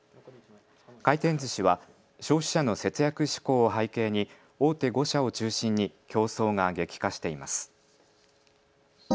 回転ずしは消費者の節約志向を背景に大手５社を中心に競争が激化しています。